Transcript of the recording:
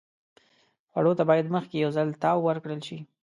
خوړو ته باید مخکې یو ځل تاو ورکړل شي.